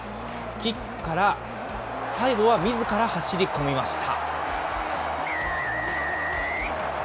キックから、最後はみずから走り込みました。